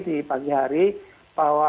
di pagi hari bahwa